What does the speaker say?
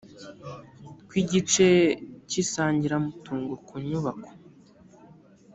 tw igice cy isangiramutungo ku nyubako